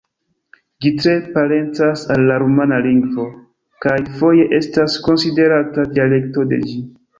Ĝi tre parencas al la rumana lingvo kaj foje estas konsiderata dialekto de ĝi.